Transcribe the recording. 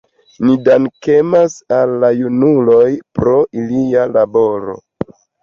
Ni dankemas al la junuloj pro ilia laboro.